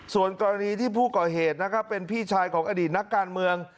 ส่วนกรณีที่ผู้ก่อเหตุนะครับเป็นพี่ชายของอดีตนักการเมือง